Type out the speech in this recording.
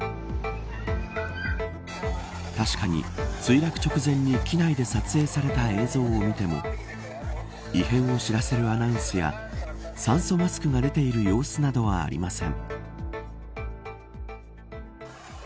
確かに、墜落直前に機内で撮影された映像を見ても異変を知らせるアナウンスや酸素マスクが出ている様子などはありません。